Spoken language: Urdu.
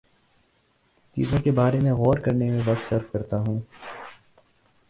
چیزوں کے بارے میں غور کرنے میں وقت صرف کرتا ہوں